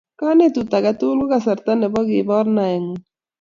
Kanetut age tugul ko kasarta nebo kopor naengung